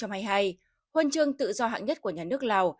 huân chương tự do hạng nhất của nhà nước lào hai nghìn một mươi bảy